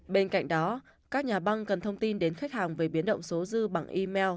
bên cạnh đó các nhà băng cần thông tin đến khách hàng về biến động số dư bằng email